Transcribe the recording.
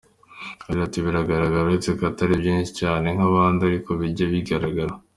Yagize ati “Biragaragara uretse ko atari byinshi cyane nk’ahandi ariko bijya bigaragara.